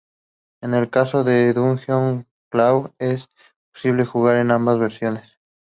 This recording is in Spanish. En el caso de "Dungeon Crawl", es posible jugar a ambas versiones.